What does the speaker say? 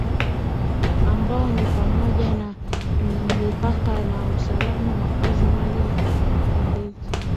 ambao ni pamoja na mipaka na usalama makazi maji na wakimbizi